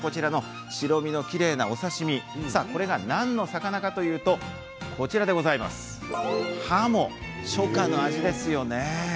白身のきれいなお刺身これが何の魚かというとハモ、初夏の味ですよね。